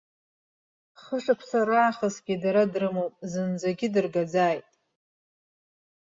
Хышықәса раахысгьы дара дрымоуп, зынӡагьы дыргаӡааит.